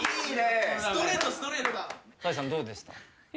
紗絵さんどうでした？